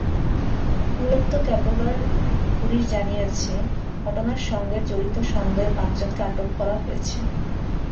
Puerto ক্যাবেলোর police জানিয়েছে, ঘটনার সঙ্গে জড়িত সন্দেহে পাঁচজনকে আটক করা হয়েছে।